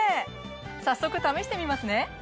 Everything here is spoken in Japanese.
早速試してみますね！